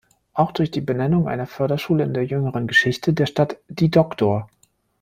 Auch durch die Benennung einer Förderschule in der jüngeren Geschichte der Stadt, die „Dr.